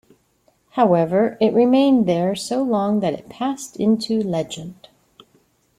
However, it remained there so long that it passed into legend.